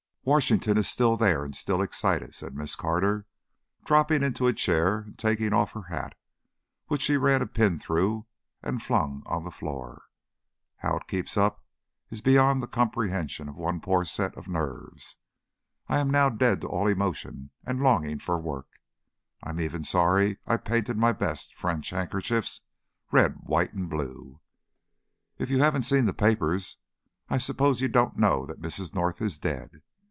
"Washington is still there and still excited," said Miss Carter, dropping into a chair and taking off her hat, which she ran the pin through and flung on the floor. "How it keeps it up is beyond the comprehension of one poor set of nerves. I am now dead to all emotion and longing for work. I'm even sorry I painted my best French handkerchiefs red, white, and blue. If you haven't seen the papers I suppose you don't know that Mrs. North is dead.